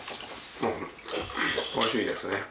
おいしいですね。